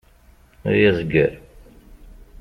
Ay azger!